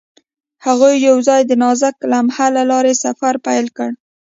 هغوی یوځای د نازک لمحه له لارې سفر پیل کړ.